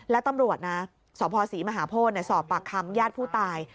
แล้วตำรวจนะสภศรีมหาโพธิสอบปากคำญาติผู้ตาย